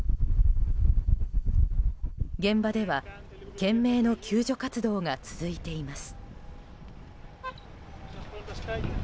現場では懸命の救助活動が続いています。